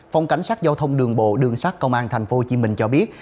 phòng cảnh sát giao thông đường bộ đường sát công an tp hcm cho biết